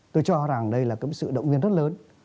tôi cho rằng đây là cái sự động viên rất lớn